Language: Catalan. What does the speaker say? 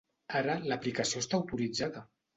Ara l'aplicació està autoritzada!